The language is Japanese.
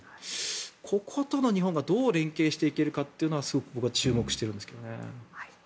こことの日本がどう連携していけるかというのがすごく僕は注目してるんですけどね。